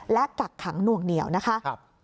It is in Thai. และกักขังหน่วงเหนียวนะคะ